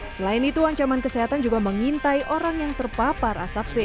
selain itu ancaman kesehatan juga mengintai orang yang terpapar asap